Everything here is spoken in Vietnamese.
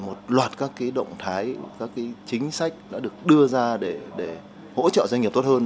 một loạt các động thái các chính sách đã được đưa ra để hỗ trợ doanh nghiệp tốt hơn